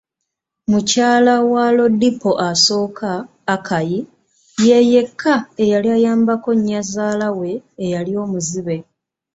Mukyala wa Lodipo asooka, Akai, ye yeka eyali ayambako nyazaala we eyali omuzibe.